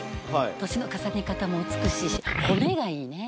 年の重ね方も美しいし、骨がいいねぇ。